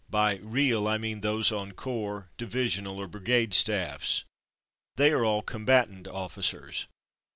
By real, I mean those on Corps, Divisional, or Brigade staffs. They are all " combatant '' officers.